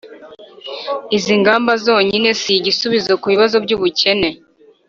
izi ngamba zonyine si igisubizo ku bibazo by'ubukene;